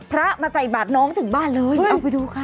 พระมาใส่บาทน้องถึงบ้านเลยเอาไปดูค่ะ